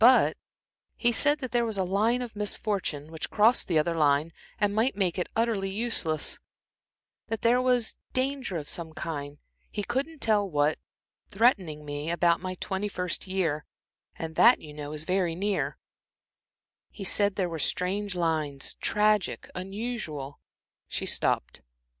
But he said there was a line of misfortune, which crossed the other line and might make it utterly useless; that there was danger of some kind he couldn't tell what, threatening me about my twenty first year, and that, you know, is very near; he said there were strange lines tragic, unusual," She stopped.